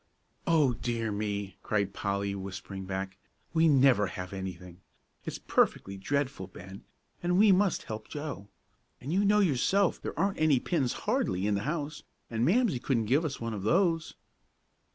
"O dear me!" cried Polly, whispering back, "we never have anything! It's perfectly dreadful, Ben; and we must help Joe. And you know yourself there aren't any pins hardly in the house, and Mamsie couldn't give us one of those."